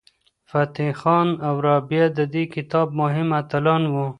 فتح خان او رابعه د دې کتاب مهم اتلان وو.